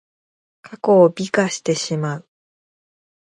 過去を美化してしまう。